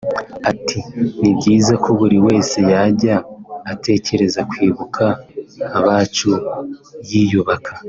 Ati “Ni byiza ko buri wese yajya atekereza kwibuka abacu yiyubaka